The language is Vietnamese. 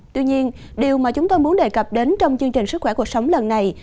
tuy nhiên điều mà chúng tôi muốn đề cập đến trong chương trình sức khỏe cuộc sống lần này